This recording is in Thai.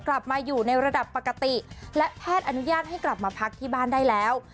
กลับมาอยู่ในระดับปกติและแพทย์อนุญาตให้กลับมาพักที่บ้านได้แล้ว